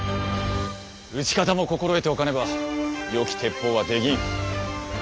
撃ち方も心得ておかねば良き鉄砲は出来ん。